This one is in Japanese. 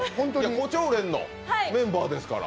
胡蝶蓮のメンバーですから。